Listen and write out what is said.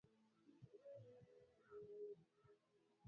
na india pia ni nchi ambayo ina